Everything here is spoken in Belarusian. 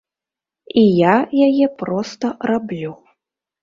І я яе проста раблю.